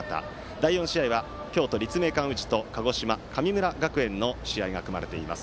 第４試合は京都・立命館宇治と鹿児島・神村学園の試合が組まれています。